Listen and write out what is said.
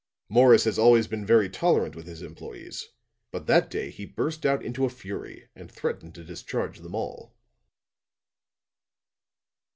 Morris has always been very tolerant with his employees, but that day he burst out in a fury and threatened to discharge them all.